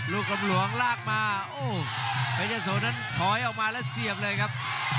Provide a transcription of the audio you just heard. กลมหลวงลากมาโอ้เพชรยะโสนั้นถอยออกมาแล้วเสียบเลยครับ